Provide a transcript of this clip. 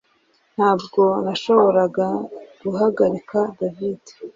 Ntabwo nashoboraga guhagarika David